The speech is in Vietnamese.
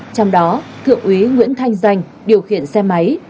trong đó thượng úy nguyễn thanh danh điều khiển xe máy